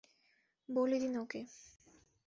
বলে দিন ওকে।